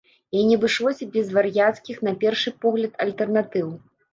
І не абышлося без вар'яцкіх, на першы погляд, альтэрнатыў.